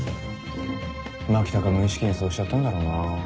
牧高無意識にそうしちゃったんだろうな。